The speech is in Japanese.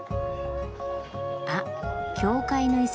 あっ教会の遺跡